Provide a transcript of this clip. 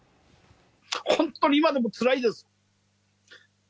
本当に今でもつらいです。